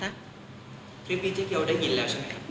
คลิปนี้เจ๊เกียวได้ยินแล้วใช่ไหมครับ